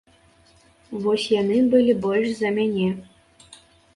Вось яны былі больш за мяне.